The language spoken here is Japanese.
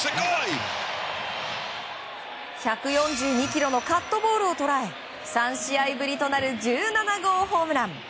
１４２キロのカットボールを捉え３試合ぶりとなる１７号ホームラン。